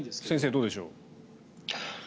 先生、どうでしょう。